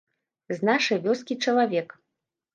З нашай вёскі чалавек.